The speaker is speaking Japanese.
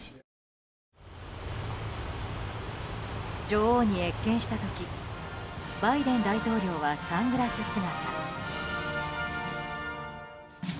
女王に謁見した時バイデン大統領はサングラス姿。